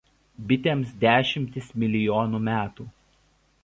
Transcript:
Bitėms dešimtys milijonų metų.